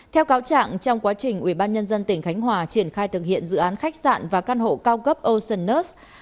theo cáo trạng trong quá trình ủy ban nhân dân tỉnh khánh hòa triển khai thực hiện dự án khách sạn và căn hộ cao cấp oceanus